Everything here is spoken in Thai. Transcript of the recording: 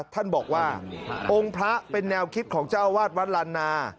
ท่านบอกว่าองค์พระเป็นแนวคิดของเจ้าวาดวัดลานา